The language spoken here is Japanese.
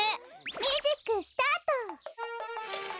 ミュージックスタート！